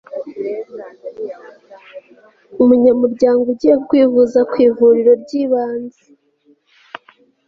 umunyamuryango ugiye kwivuza ku ivuriro ry'ibanze